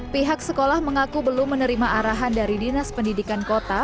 pihak sekolah mengaku belum menerima arahan dari dinas pendidikan kota